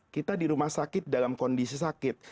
kita di rumah sakit dalam kondisi sakit